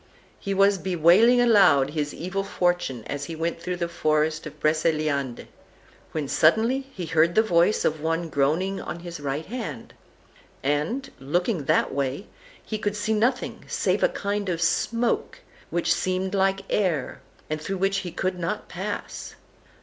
He was bewailing aloud his evil fortune as he went through the forest of Breceliande, when suddenly he heard the voice of one groaning on his right hand; and, looking that way, he could see nothing save a kind of smoke, which seemed like air, and through which he could not pass.